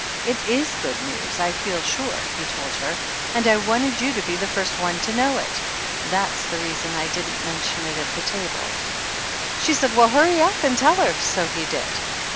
"It is good news, I feel sure," he told her, "and I wanted you to be the first one to know it 116 THE ANNALS OF ANN that's the reason I didn't mention it at the table." She said well hurry up and tell her, so he did.